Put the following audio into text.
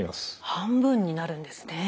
半分になるんですね。